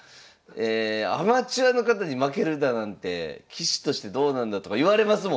アマチュアの方に負けるだなんて棋士としてどうなんだとか言われますもんね。